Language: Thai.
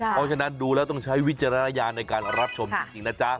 เพราะฉะนั้นดูแล้วต้องใช้วิจารณญาณในการรับชมจริงนะจ๊ะ